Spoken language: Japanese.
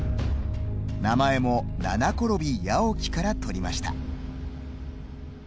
名前も、七転び「八起き」から取りました。